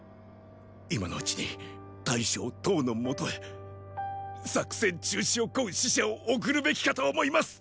今のうちに大将騰の元へ作戦中止を請う使者を送るべきかと思います！